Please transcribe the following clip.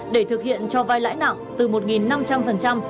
để thực hiện cho vay lãi nặng từ một năm trăm linh đến hai hai trăm linh một năm